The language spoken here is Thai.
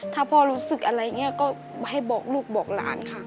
ถ้าพ่อรู้สึกอะไรอย่างนี้ก็ให้บอกลูกบอกหลานค่ะ